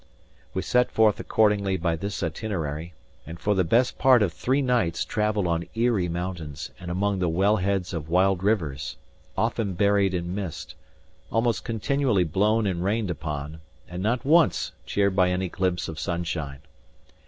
We set forth accordingly by this itinerary; and for the best part of three nights travelled on eerie mountains and among the well heads of wild rivers; often buried in mist, almost continually blown and rained upon, and not once cheered by any glimpse of sunshine.